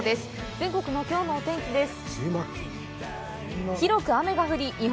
全国のきょうのお天気です。